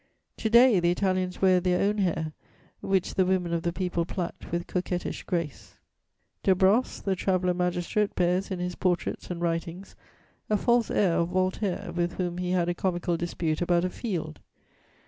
To day the Italians wear their own hair, which the women of the people plait with coquettish grace. De Brosses, the traveller magistrate, bears, in his portraits and writings, a false air of Voltaire, with whom he had a comical dispute about a field.